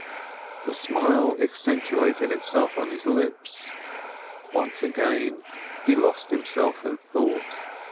The smile accentuated itself on his lips. Once again he lost himself in thought.